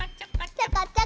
ちょこちょこ。